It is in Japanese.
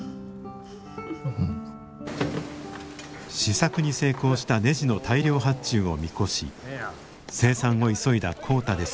試作に成功したねじの大量発注を見越し生産を急いだ浩太ですが。